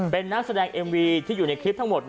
เป็นนักแสดงเอ็มวีที่อยู่ในคลิปทั้งหมด